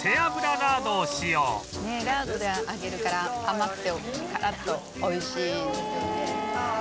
「ラードで揚げるから甘くてカラッと美味しい」